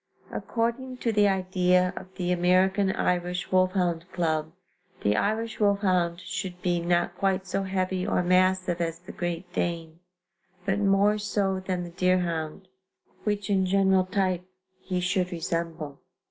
According to the idea of the American Irish Wolfhound Club, the Irish wolfhound should be "not quite so heavy or massive as the Great Dane, but more so than the deerhound, which in general type be should resemble.